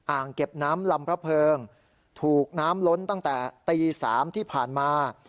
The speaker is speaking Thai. อ่างเก็บน้ำลำพระเพิงถูกน้ำล้นตั้งแต่ตี๓ที่ผ่านมา